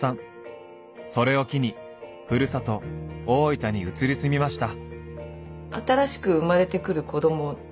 それを機にふるさと大分に移り住みました。